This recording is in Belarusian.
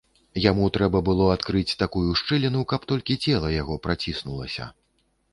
Яму трэба было адкрыць такую шчыліну, каб толькі цела яго праціснулася.